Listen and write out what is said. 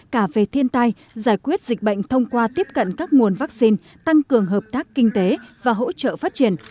cả về thiên tai giải quyết dịch bệnh thông qua tiếp cận các nguồn vaccine tăng cường hợp tác kinh tế và hỗ trợ phát triển